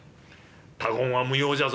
他言は無用じゃぞ」。